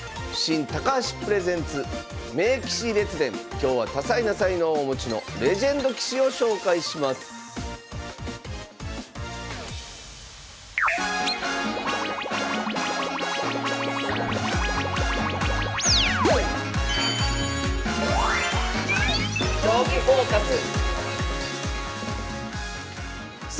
今日は多彩な才能をお持ちのレジェンド棋士を紹介しますさあ